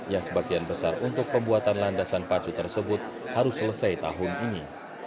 yang sebagian besar untuk pembuatan landasan pacu tersebut harus selesai tahun ini